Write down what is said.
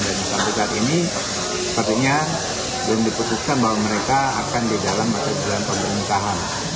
dan saat saat ini sepertinya belum dikutukkan bahwa mereka akan di dalam atau di luar pemerintahan